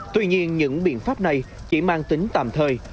tuy nhiên những biện pháp này chỉ mang tính tạm thời